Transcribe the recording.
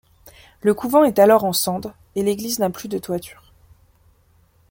Le couvent est alors en cendre et l’église n’a plus de toiture.